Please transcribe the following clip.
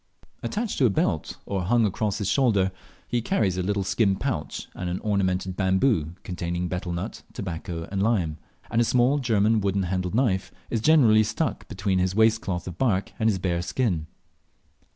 Attached to a belt, or hung across his shoulder, he carries a little skin pouch and an ornamented bamboo, containing betel nut, tobacco, and lime, and a small German wooden handled knife is generally stuck between his waist cloth of bark and his bare shin.